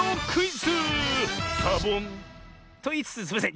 サボン！といいつつすいません。